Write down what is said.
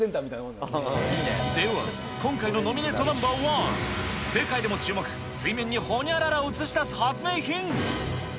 では、今回のノミネートナンバー１、世界でも注目、水面にほにゃららを映し出す発明品。